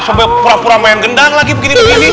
sampai pura pura main gendang lagi begini begini